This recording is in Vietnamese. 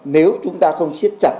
nếu chúng ta không xiết chặt